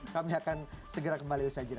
kami akan segera kembali bersajid